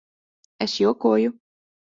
Es jokoju.